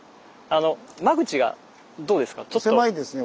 間口がどうですか？